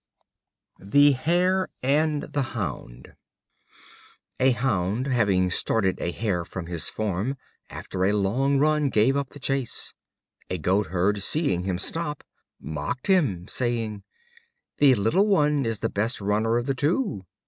The Hare and the Hound A Hound having started a Hare from his form, after a long run, gave up the chase. A Goat herd, seeing him stop, mocked him, saying: "The little one is the best runner of the two."